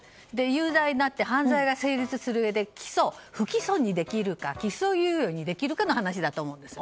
有罪になって犯罪が成立するうえで不起訴にできるか起訴猶予にできるかの話だと思うんです。